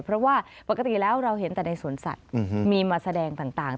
เพราะว่าปกติแล้วเราเห็นแต่ในสวนสัตว์มีมาแสดงต่าง